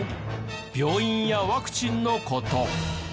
病院やワクチンの事。